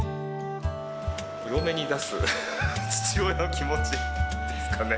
お嫁に出す父親の気持ちですかね。